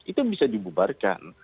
itu bisa dibubarkan